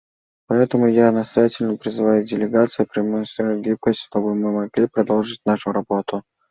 Поэтому я настоятельно призываю делегации продемонстрировать гибкость, чтобы мы могли продолжить нашу работу.